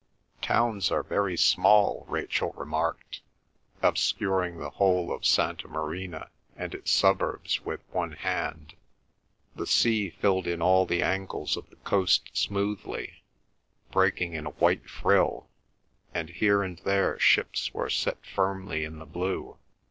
"Towns are very small," Rachel remarked, obscuring the whole of Santa Marina and its suburbs with one hand. The sea filled in all the angles of the coast smoothly, breaking in a white frill, and here and there ships were set firmly in the blue.